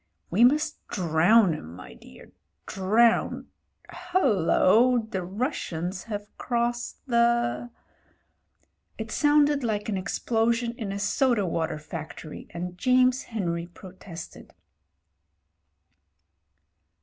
"We must drown 'em, my dear, drown Hullo ! the Russians JAMES HENRY 213 have crossed the " It sounded like an explosion in a soda water factory, and James Henry protested.